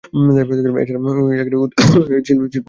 এছাড়া উত্তরা ইপিজেড ও সৈয়দপুর বিসিক শিল্প নগরীর মত শিল্প পার্ক।